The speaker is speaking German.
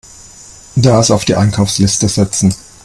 Das auf die Einkaufsliste setzen.